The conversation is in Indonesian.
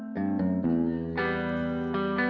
gak ada yang peduli